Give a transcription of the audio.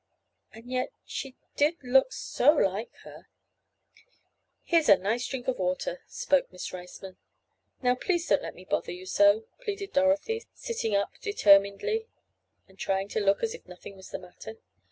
And yet she did look so like her— "Here's a nice drink of water," spoke Miss Riceman. "Now please don't let me bother you so," pleaded Dorothy, sitting up determinedly and trying to look as if nothing was the matter.